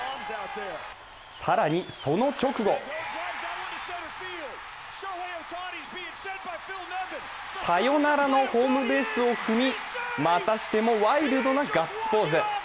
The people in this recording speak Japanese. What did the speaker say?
更に、その直後サヨナラのホームベースを踏み、またしてもワイルドなガッツポーズ。